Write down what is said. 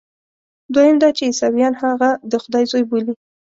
دوهم دا چې عیسویان هغه د خدای زوی بولي.